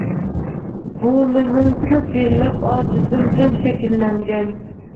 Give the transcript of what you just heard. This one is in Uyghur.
بۇ مېنىڭ كۆپ يىللىق ئادىتىمدىن شەكىللەنگەن.